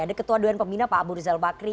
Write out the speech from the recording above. ada ketua dewan pembina pak abu rizal bakri